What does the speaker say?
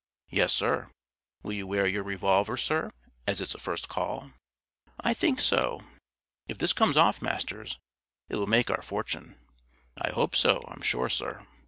"Yes, Sir. Will you wear your revolver, Sir, as it's a first call?" "I think so. If this comes off, Masters, it will make our fortune." "I hope so, I'm sure, Sir."